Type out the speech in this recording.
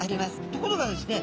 ところがですね